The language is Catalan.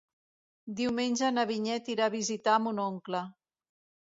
Diumenge na Vinyet irà a visitar mon oncle.